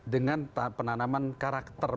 dengan penanaman karakter